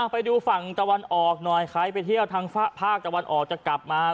ไปดูฝั่งตะวันออกหน่อยใครไปเที่ยวทางภาคตะวันออกจะกลับมา